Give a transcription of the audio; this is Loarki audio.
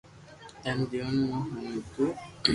ھين دييون مون ھوڻتو ھوئي